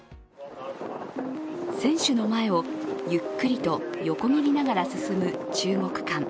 船首の前をゆっくりと横切りながら進む中国艦。